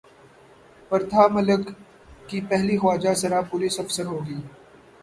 پرتھا ملک کی پہلی خواجہ سرا پولیس افسر ہو گی